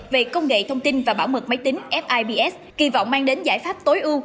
về công nghệ thông tin và bảo mật máy tính fibs kỳ vọng mang đến giải pháp tối ưu